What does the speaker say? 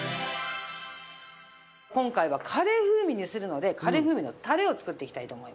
今回はカレー風味にするのでカレー風味のタレを作っていきたいと思います。